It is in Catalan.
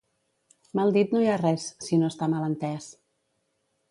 Mal dit no hi ha res, si no està mal entés.